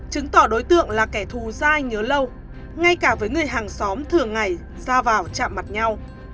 chứng tỏ đối tượng là kẻ thù da nhớ lâu ngay cả với người hàng xóm thường ngày ra vào chạm mặt nhau